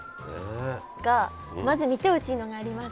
がまず見てほしいのがあります。